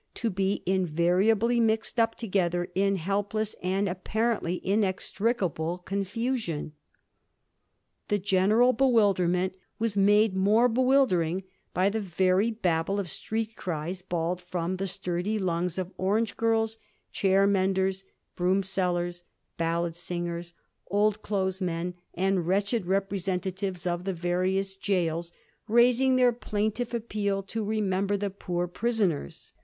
ch. v. to be invariably mixed up together in helpless and apparently inextricable confusion. The general be wilderment was made more bewildering by the veiy babel of street cries bawled from the sturdy lungs of orange girls, chair menders, broom seUers, ballad singers, old clothes men, and wretched representatives of the various gaols, raising their plaintive appeal to * remember the poor prisoners.'